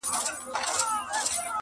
o د سپو سلا فقير ته يوه ده!